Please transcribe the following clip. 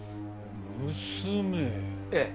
娘？ええ。